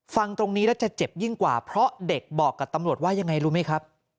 ฟังตรงนี้แล้วจะเจ็บยิ่งกว่าเพราะเด็กบอกกับตำรวจว่ายังไงรู้ไหมครับ